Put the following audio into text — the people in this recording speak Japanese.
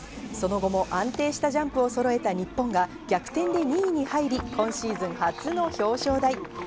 その後も安定したジャンプをそろえた日本が逆転で２位に入り、今シーズン初の表彰台。